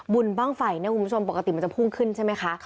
บุญบ้างไฟเนี่ยคุณผู้ชมปกติมันจะพุ่งขึ้นใช่ไหมคะ